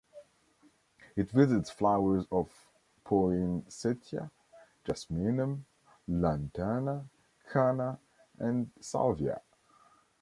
It visits flowers of "Poinsettia", "Jasminum", "Lantana", "Canna" and "Salvia".